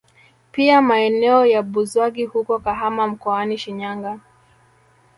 Pia maeneo ya Buzwagi huko Kahama mkoani Shinyanga